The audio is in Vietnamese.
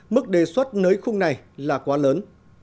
mức đề xuất nới khung này là quá lớn